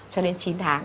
cho đến chín tháng